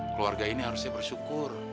keluarga ini harus dipersyukur